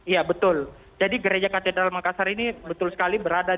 ya betul jadi gereja katedral makassar ini betul sekali berada